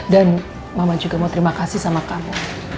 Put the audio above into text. dan mama juga mau terima kasih sama kamu